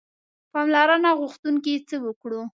پاملرنې غوښتونکي څه وکړو.